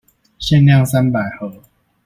限量三百盒